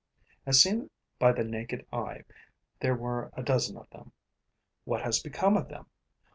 As seen by the naked eye, there were a dozen of them. What has become of them?